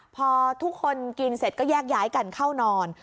พอทุกคนกินเสร็จก็แยกย้ายกันเข้านอน